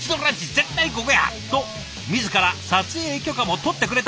絶対ここやと自ら撮影許可も取ってくれたんです。